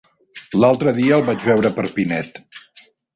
L'altre dia el vaig veure per Pinet.